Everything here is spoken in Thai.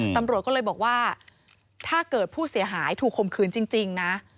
ตำรวจก็เลยบอกว่าถ้าเกิดผู้เสียหายถูกข่มขืนจริงนะ